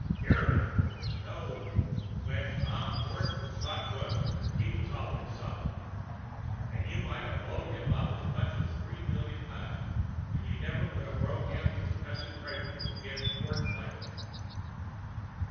"Cure him! No! When Tom Quartz was sot once,[Pg 148] he was always sot—and you might 'a' blowed him up as much as three million times 'n' you'd never 'a' broken him of his cussed prejudice ag'in quartz mining."